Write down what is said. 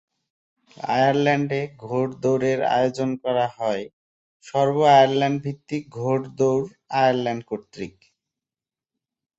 আয়ারল্যান্ডে ঘোড়দৌড়ের আয়োজন করা হয় সর্ব- আয়ারল্যান্ড ভিত্তিক ঘোড়দৌড় আয়ারল্যান্ড কর্তৃক।